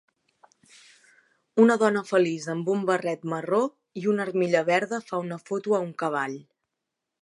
Una dona feliç amb un barret marró i una armilla verda fa una foto a un cavall.